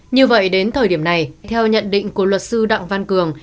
như vậy đến thời điểm này theo nhận định của luật sư đặng văn cường